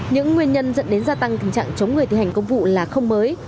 những nguyên nhân dẫn đến gia tăng tình trạng chống người thi hành công vụ là không mới